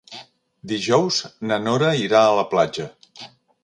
Dijous na Nora irà a la platja.